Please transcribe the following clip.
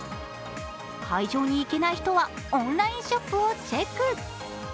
会場に行けない人はオンラインショップをチェック。